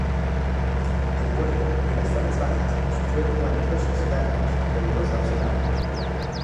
El puerto y las zonas bajas sufrieron cuantiosos daños debidos al tsunami.